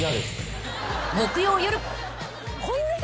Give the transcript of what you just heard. ［木曜夜］